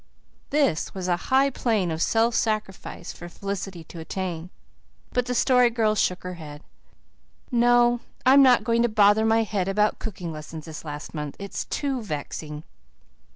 This was a high plane of self sacrifice for Felicity to attain. But the Story Girl shook her head. "No, I'm not going to bother my head about cooking lessons this last month. It's too vexing."